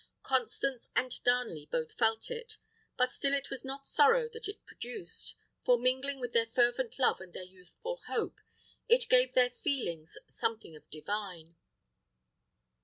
Constance and Darnley both felt it; but still it was not sorrow that it produced; for, mingling with their fervent love and their youthful hope, it gave their feelings something of divine.